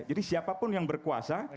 jadi siapapun yang berkuasa